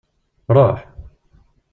Ruḥ!